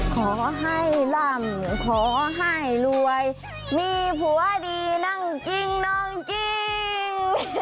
ขอให้ล่ำขอให้รวยมีผัวดีนั่งจริงน้องจริง